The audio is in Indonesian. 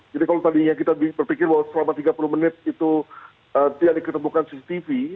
jadi kalau tadinya kita berpikir selama tiga puluh menit itu tidak diketemukan cctv